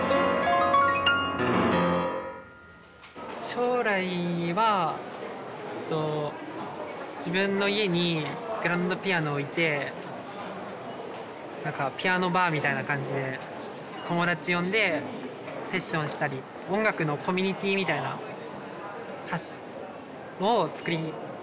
将来は自分の家にグランドピアノを置いて何かピアノバーみたいな感じで友達呼んでセッションしたり音楽のコミュニティーみたいなのをつくりたいです。